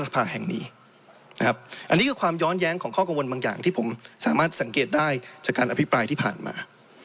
เป็นข้อกังวลบางอย่างที่ผมสามารถสังเกตได้จากการอภิปรายที่ผ่านมา